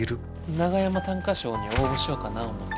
長山短歌賞に応募しようかな思て。